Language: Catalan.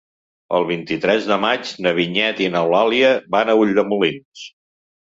El vint-i-tres de maig na Vinyet i n'Eulàlia van a Ulldemolins.